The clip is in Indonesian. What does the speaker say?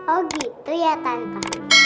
oh gitu ya tante